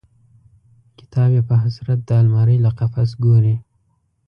کتاب یې په حسرت د المارۍ له قفس ګوري